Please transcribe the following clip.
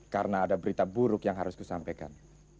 karena ada berita buruk yang harus kusampaikan